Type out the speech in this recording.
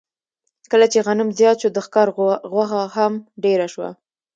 کله چې غنم زیات شو، د ښکار غوښه هم ډېره شوه.